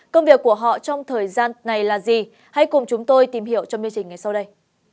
công việc của họ trong thời gian này là gì hãy cùng chúng tôi tìm hiểu trong miêu trình ngày sau đây